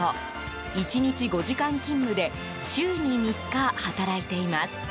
１日５時間勤務で週に３日働いています。